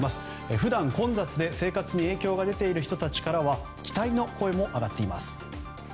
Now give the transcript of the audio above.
普段、混雑で生活に影響が出ている人たちからは期待の声も上がっています。